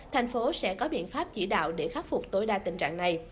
tp hcm sẽ có biện pháp chỉ đạo để khắc phục tối đa tình trạng này